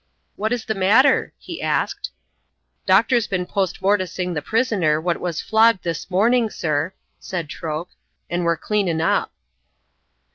"What is the matter?" he asked. "Doctor's bin post morticing the prisoner what was flogged this morning, sir," said Troke, "and we're cleanin' up."